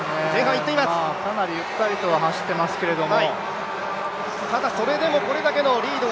かなりゆったりと走ってますけども。